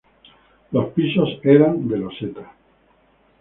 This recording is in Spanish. Los pisos eran de losetas.